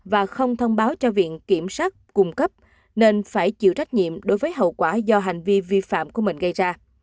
và không thông báo cho viện kiểm sát cung cấp nên phải chịu trách nhiệm đối với hậu quả do hành vi vi phạm của mình gây ra